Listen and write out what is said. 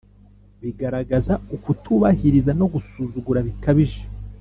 bigaragaza ukutubahiriza no gusuzugura bikabije